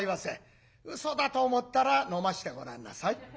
うそだと思ったら飲ましてごらんなさい。